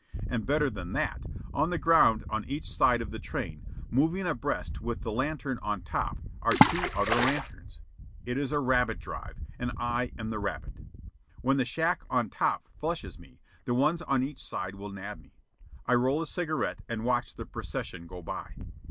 And better than that on the ground on each side of the train, moving abreast with the lantern on top, are two other lanterns. It is a rabbit drive, and I am the rabbit. When the shack on top flushes me, the ones on each side will nab me. I roll a cigarette and watch the procession go by.